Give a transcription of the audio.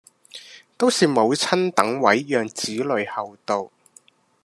都是母親等位讓子女後到